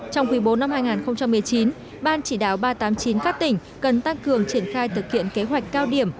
trong quý bố năm hai nghìn một mươi chín ban chỉ đáo ba trăm tám mươi chín các tỉnh cần tăng cường triển khai thực hiện kế hoạch cao điểm